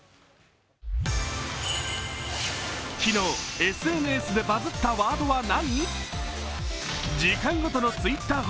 昨日ＳＮＳでバズったワードは何？